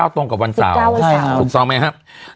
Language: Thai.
๑๙ตรงกับวันเสาร์ถูกซ้อมไหมฮะ๑๙วันเสาร์